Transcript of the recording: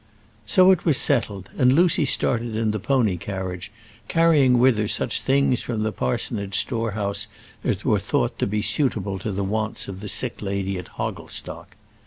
So it was settled, and Lucy started in the pony carriage, carrying with her such things from the parsonage storehouse as were thought to be suitable to the wants of the sick lady at Hogglestock.